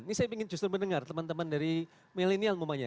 ini saya ingin justru mendengar teman teman dari milenial umumnya